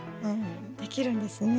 できるんですね。